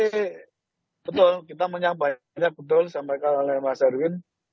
tahun ini betul kita menyampaikan betul sampai ke oleh mas erwin